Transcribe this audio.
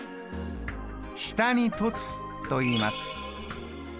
下に凸といいます。